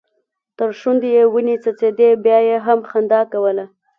تر شونډو يې وينې څڅيدې بيا يې هم خندا کوله.